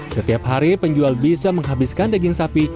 setiap hari penjual bisa menghabiskan daging sapi